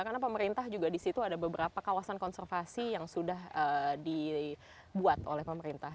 karena pemerintah juga disitu ada beberapa kawasan konservasi yang sudah dibuat oleh pemerintah